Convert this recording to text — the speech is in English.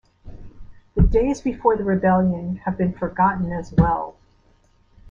The days before the Rebellion have been forgotten as well.